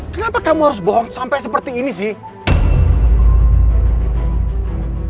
kenapa kamu harus bohong sampai seperti ini sih